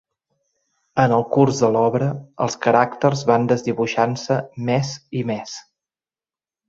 En el curs de l'obra, els caràcters van desdibuixant-se més i més.